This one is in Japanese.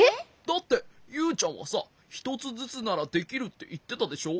だってユウちゃんはさひとつずつならできるっていってたでしょ？